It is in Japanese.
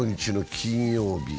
金曜日。